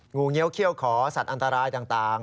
งูเงี้ยวเขี้ยวขอสัตว์อันตรายต่าง